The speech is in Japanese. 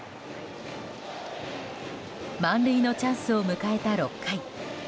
満塁のチャンスを迎えた６回。